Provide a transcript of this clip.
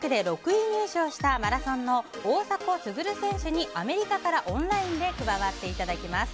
６位入賞したマラソンの大迫傑選手にアメリカからオンラインで加わっていただきます。